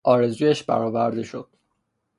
آرزویش برآورده شد.